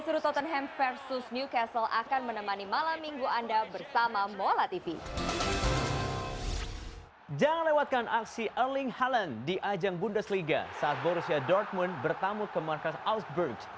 di pajang bundesliga saat borussia dortmund bertamu ke markas augsburg